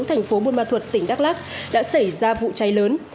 thành phố buôn ma thuật tỉnh đắk lắc đã xảy ra vụ cháy lớn